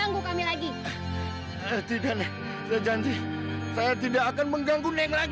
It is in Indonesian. kok dilepasin sih kak